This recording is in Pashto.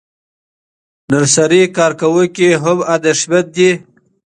نرسري کارکوونکي هم اندېښمن دي.